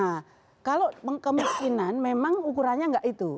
nah kalau kemiskinan memang ukurannya gak itu